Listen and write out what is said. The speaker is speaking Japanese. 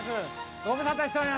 ご無沙汰しております。